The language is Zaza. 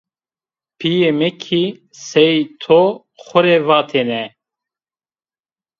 Pîyê mi kî sey to xo rê vatêne